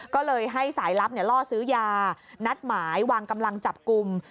ก็เลยให้สายลับล่อซื้อยานัดหมายวางกำลังจับกลุ่ม